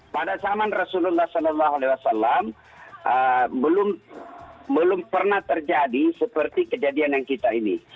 pada zaman rasulullah saw belum pernah terjadi seperti kejadian yang kita ini